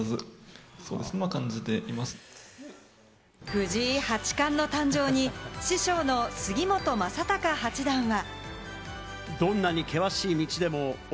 藤井八冠の誕生に師匠の杉本昌隆八段は。